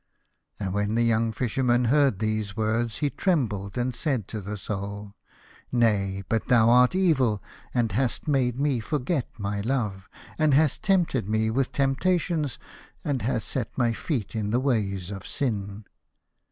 And when the young Fisherman heard these words he trembled and said to his Soul, " Nay, but thou art evil, and hast made me forget my love, and hast tempted me with tempta tions, and hast set my feet in the ways of •>> sin.